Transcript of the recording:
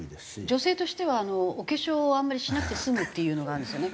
女性としてはお化粧をあんまりしなくて済むっていうのがあるんですよね